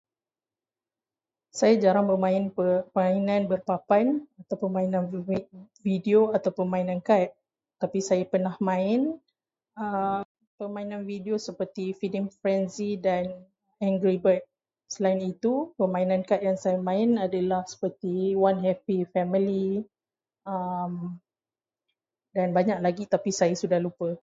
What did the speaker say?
Saya jarang bermain permainan berpapan atau permainan video atau permainan kad. Tapi saya pernah main permainan video seperti Freedom Frenzy dan Angry Bird. Selain itu, permainan kad yang saya main adalah seperti One Happy Family, dan banyak lagi, tapi saya sudah lupa.